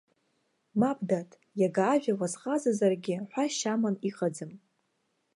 Мап, дад, иага ажәа уазҟазазаргьы, ҳәашьа аман иҟаӡам!